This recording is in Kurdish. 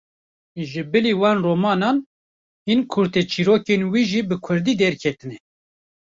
Ji bilî van romanan, hin kurteçîrrokên wî jî bi kurdî derketine.